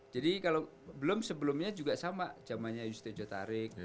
jadi kalau belum sebelumnya juga sama zamannya yusti jotarik